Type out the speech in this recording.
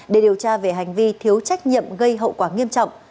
để điều tra về hành vi thiếu trách nhiệm gây hậu quả nghiêm trọng